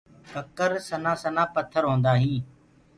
ڪڪر سنهآ سنهآ پٿر هوندآ هينٚ۔